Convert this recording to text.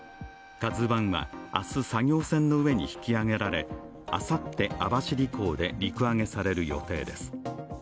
「ＫＡＺＵⅠ」は明日、作業船の上に引き揚げられあさって、網走港で陸揚げされる予定です。